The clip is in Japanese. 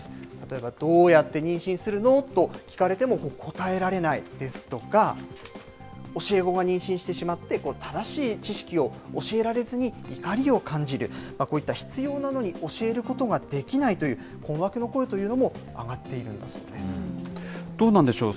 例えばどうやって妊娠するの？と聞かれても答えられないですとか、教え子が妊娠してしまって、正しい知識を教えられずに、怒りを感じる、こういった、必要なのに教えることができないという、困惑の声というのも上がっているんだどうなんでしょう？